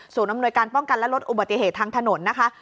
ศูนย์อำนวยการป้องกันและลดอุบัติเหตุทางถนน